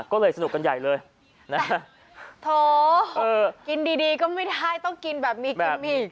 ก็เลยสนุกกันใหญ่เลยนะโถกินดีดีก็ไม่ได้ต้องกินแบบนี้กินอีก